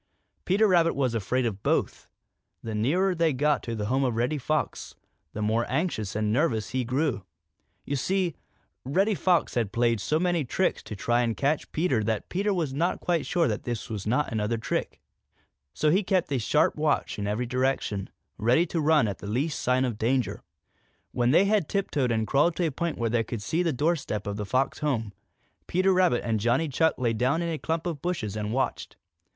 Peter Rabbit was afraid of both. The nearer he got to the home of Reddy Fox, the more anxious and nervous he grew. You see, Reddy Fox had played so many tricks to try and catch Peter that Peter was not quite sure that this was not another trick. So he kept a sharp watch in every direction, ready to run at the least sign of danger. When they had tiptoed and crawled to a point where they could see the doorstep of the Fox home, Peter Rabbit and Johnny Chuck lay down in a clump of bushes and watched.